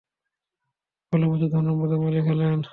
ফলে প্রচুর ধন সম্পদের মালিক হলেন।